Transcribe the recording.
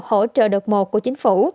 hỗ trợ đợt một của chính phủ